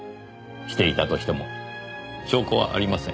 していたとしても証拠はありません。